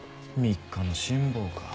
３日の辛抱か。